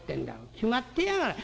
決まってやがらあ。